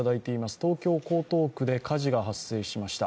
東京・江東区で火事が発生しました